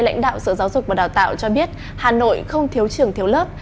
lãnh đạo sở giáo dục và đào tạo cho biết hà nội không thiếu trường thiếu lớp